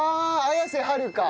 綾瀬はるか。